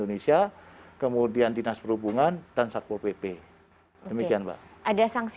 kami harapan dengankan beberapa ilmu unsur jako kepolisian sebenarnya di j ripeg bagi soekarjil